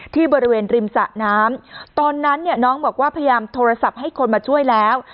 ที่บริเวณริมสะน้ำตอนนั้นเนี่ยน้องบอกว่าพยายามโทรศัพท์ให้คนมาช่วยแล้ว